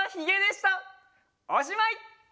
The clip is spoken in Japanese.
おしまい」！